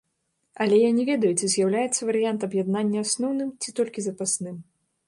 Але я не ведаю, ці з'яўляецца варыянт аб'яднання асноўным, ці толькі запасным.